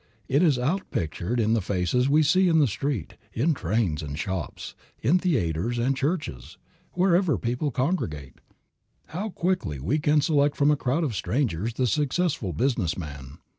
It is outpictured in the faces we see in the street, in trains and shops, in theaters and churches, wherever people congregate. How quickly we can select from a crowd of strangers the successful business man.